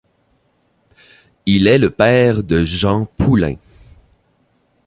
Il est le père de Jean Poullain.